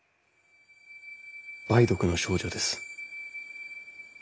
梅毒の症状です。